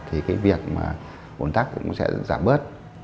thì cái việc mà ồn tắc cũng sẽ giảm bớt